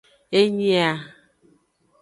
Enyi a.